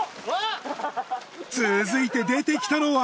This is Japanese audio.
続いて出てきたのは。